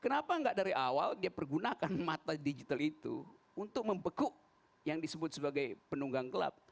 kenapa nggak dari awal dia pergunakan mata digital itu untuk membekuk yang disebut sebagai penunggang gelap